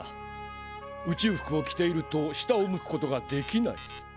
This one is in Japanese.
宇宙服を着ていると下を向くことができない。